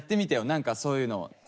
なんかそういうの。